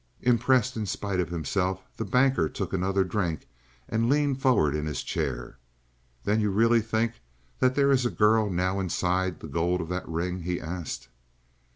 Impressed in spite of himself, the Banker took another drink and leaned forward in his chair. "Then you really think that there is a girl now inside the gold of that ring?" he asked.